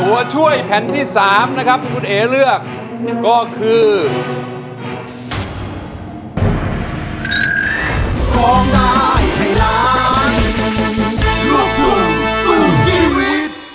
ตัวช่วยแผ่นที่๓นะครับที่คุณเอ๋เลือกก็คือ